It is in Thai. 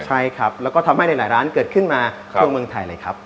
ใช่ครับแล้วก็ทำให้หลายร้านเกิดขึ้นมาทั่วเมืองไทยเลยครับ